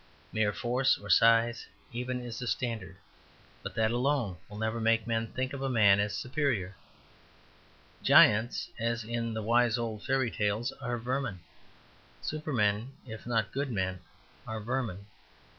Mere force or size even is a standard; but that alone will never make men think a man their superior. Giants, as in the wise old fairy tales, are vermin. Supermen, if not good men, are vermin.